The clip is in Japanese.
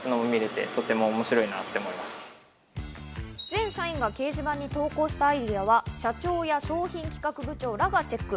全社員が掲示板に投稿したアイデアは社長や商品企画部長らがチェック。